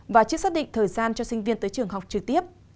và chưa xác định thời gian cho sinh viên tới trường học trực tiếp